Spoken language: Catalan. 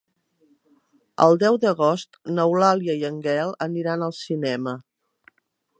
El deu d'agost n'Eulàlia i en Gaël aniran al cinema.